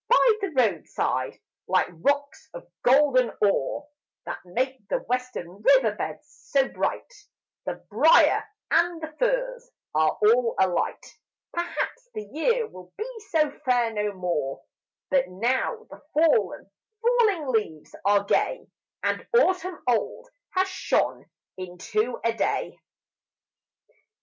By the roadside, like rocks of golden ore That make the western river beds so bright, The briar and the furze are all alight! Perhaps the year will be so fair no more, But now the fallen, falling leaves are gay, And autumn old has shone into a Day!